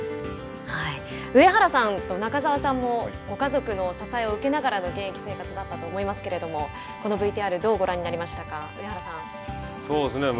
上原さんと中澤さんもご家族の支えを受けながらの現役生活だったと思いますけれどもこのＶＴＲどうご覧になりましたか上原さん。